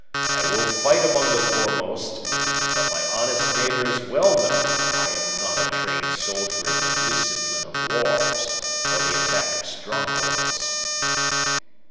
I will fight among the foremost; but my honest neighbours well know I am not a trained soldier in the discipline of wars, or the attack of strongholds."